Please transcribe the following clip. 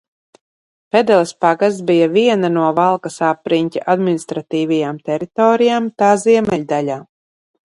Pedeles pagasts bija viena no Valkas apriņķa administratīvajām teritorijām tā ziemeļdaļā.